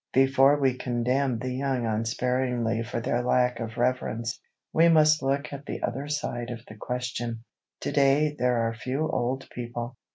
Before we condemn the young unsparingly for their lack of reverence, we must look at the other side of the question. To day there are few old people.